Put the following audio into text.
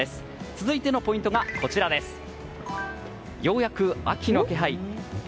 続いてのポイントがようやく秋の気配？